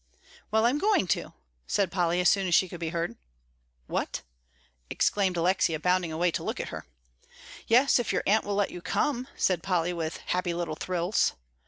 "Well, I'm going to," said Polly, as soon as she could be heard. "What!" exclaimed Alexia, bounding away to look at her. "Yes, if your Aunt will let you come," said Polly, with happy little thrills.